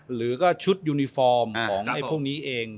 หรือก็ชุดยูนิฟอร์มของพวกนี้เอง